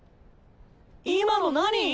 今の何！？